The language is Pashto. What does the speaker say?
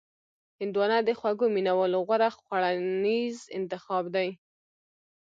هندوانه د خوږو مینوالو غوره خوړنیز انتخاب دی.